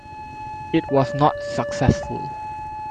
It was not successful.